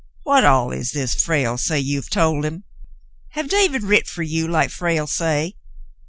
"What all is this Frale say you have told him.? Have David writ fer you like Frale say